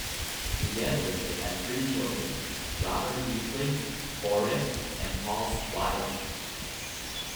Together they had three children, Robert Easley, Forrest, and Paul Wyatt.